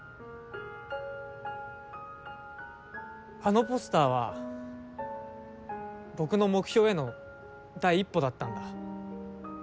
あのポスターは僕の目標への第一歩だったんだ。